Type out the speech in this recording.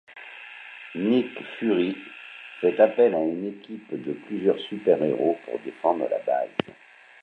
Nick Fury fait appel à une équipe de plusieurs super-héros pour défendre la base.